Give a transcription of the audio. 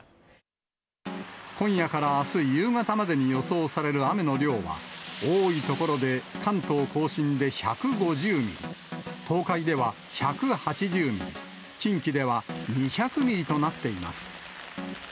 今夜からあす夕方までに予想される雨の量は、多い所で、関東甲信で１５０ミリ、東海では１８０ミリ、近畿では２００ミリとなっています。